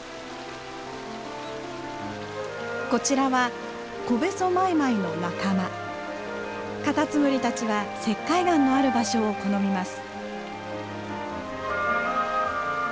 こちらはカタツムリたちは石灰岩のある場所を好みます。